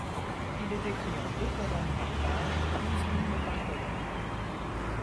Il est écrit en deux colonnes par page, douze lignes par colonne.